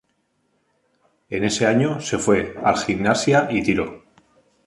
En ese año se fue al Gimnasia y Tiro.